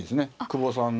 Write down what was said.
久保さん